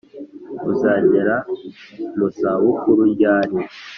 uzagera mu za bukuru ryari